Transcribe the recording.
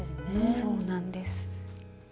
そうなんです。